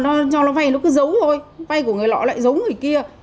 nó cho nó vay nó cứ giấu thôi vay của người lọ lại giống người kia